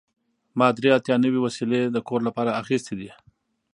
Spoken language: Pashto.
ما درې اتیا نوې وسیلې د کور لپاره اخیستې دي.